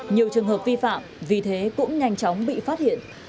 nhiều trường hợp vi phạm vì thế cũng nhanh chóng bị phát hiện